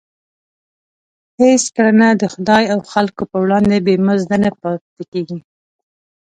هېڅ کړنه د خدای او خلکو په وړاندې بې مزده نه پاتېږي.